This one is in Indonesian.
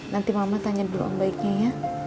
nanti mama tanya dulu om baiknya ya